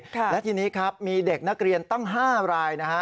และทีนี้ครับมีเด็กนักเรียนตั้ง๕รายนะฮะ